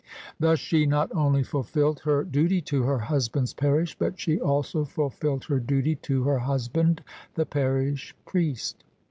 Thus she not only fulfilled her duty to her husband's parish, but she also fulfilled her duty to her husband, the parish priest.